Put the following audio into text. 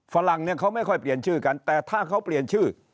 ฝรั่งเนี่ยเขาไม่ค่อยเปลี่ยนชื่อกันแต่ถ้าเขาเปลี่ยนชื่อ